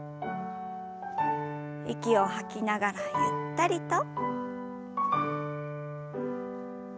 息を吐きながらゆったりと。